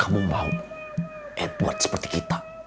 kamu mau edward seperti kita